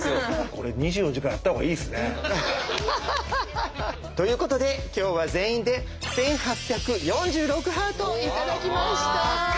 これ２４時間やった方がいいっすね。ということで今日は全員で１，８４６ハート頂きました。